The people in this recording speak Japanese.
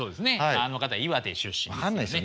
あの方岩手出身ですよね。